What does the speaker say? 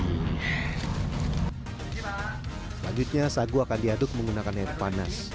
selanjutnya sagu akan diaduk menggunakan air panas